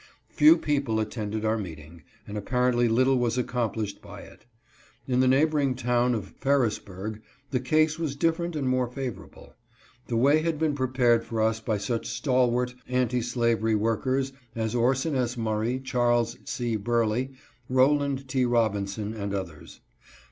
Few people attended our meeting, and ap parently little was accomplished by it. In the neighbor ing town of Ferrisburgh the case was different and more favorable. The way had been prepared for us by such stalwart anti slavery workers as Orson S. Murray, Charles C. Burleigh, Rowland T. Robinson, and others.